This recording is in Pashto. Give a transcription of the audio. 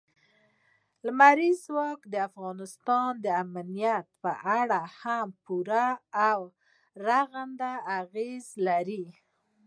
لمریز ځواک د افغانستان د امنیت په اړه هم پوره او رغنده اغېز لري.